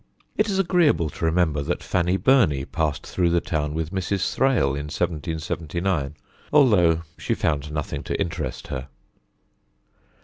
It is agreeable to remember that Fanny Burney passed through the town with Mrs. Thrale in 1779, although she found nothing to interest her.